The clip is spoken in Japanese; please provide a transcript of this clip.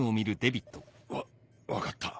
わ分かった。